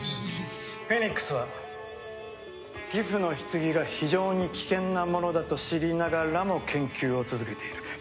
フェニックスはギフのひつぎが非常に危険なものだと知りながらも研究を続けている。